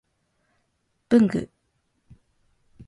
文具